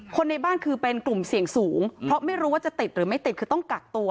คนในบ้านคือเป็นกลุ่มเสี่ยงสูงเพราะไม่รู้ว่าจะติดหรือไม่ติดคือต้องกักตัว